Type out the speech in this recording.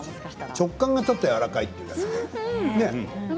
食感がちょっとやわらかいというだけで。